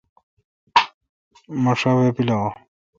مہ شا وہ پلاوہ۔